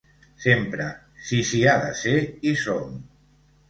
Sempre, si s’hi ha de ser, hi som.